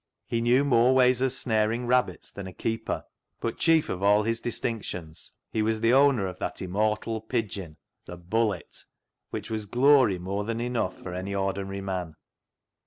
He knew more ways of snaring rabbits than a keeper ; but chief of all his distinctions, he was the owner of that immortal pigeon, the " Bullet," which was glory more than enough for any ordinary man.